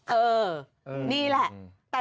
เออนี่แหละ